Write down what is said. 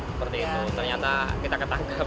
seperti itu ternyata kita ketangkep